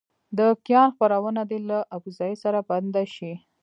د کیان خپرونه دې له ابوزید سره بنده شي.